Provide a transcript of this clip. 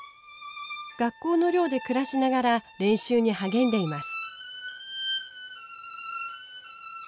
学校の寮で暮らしながら練習に励んでいます。